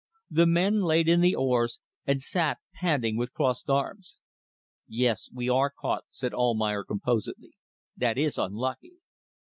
The men laid in the oars, and sat, panting, with crossed arms. "Yes, we are caught," said Almayer, composedly. "That is unlucky!"